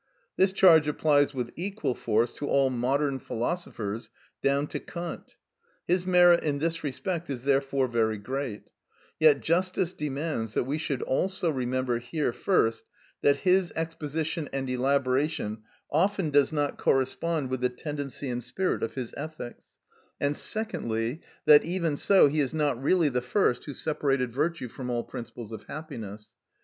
This charge applies with equal force to all modern philosophers down to Kant. His merit in this respect is therefore very great; yet justice demands that we should also remember here first that his exposition and elaboration often does not correspond with the tendency and spirit of his ethics, and secondly that, even so, he is not really the first who separated virtue from all principles of happiness.